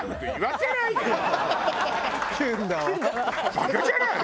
バカじゃないの？